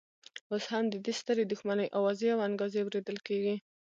اوس هم د دې سترې دښمنۍ اوازې او انګازې اورېدل کېږي.